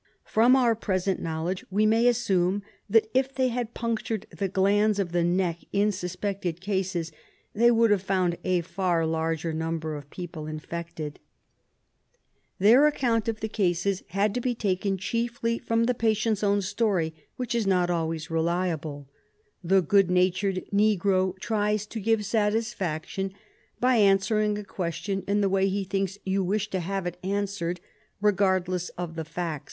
From our present knowledge we may assume that if they had punctured the glands of the neck in suspected cases they would have found a far larger number o£ people infected. Their account of the cases had SLEEPING SICKNESS 19 to be taken chiefly from the patient's own story, which is not always very reliable. The good natured negro tries to give satisfaction by answering a question in the way he thinks you wish to have it answered, regardless of the facts.